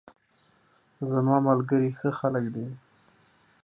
زماملګري ښه خلګ دي